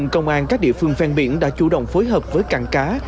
công an các địa phương ven biển đã chủ động phối hợp với cảng cá